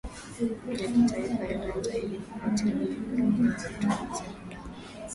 ya kitaifa ya data ili kufuatilia mwelekeo wa matumizi ya madawa